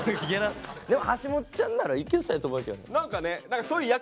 でもはしもっちゃんならいけそうやと思うけどね。